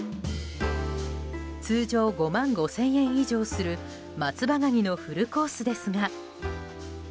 通常５万５０００円以上する松葉ガニのフルコースですが。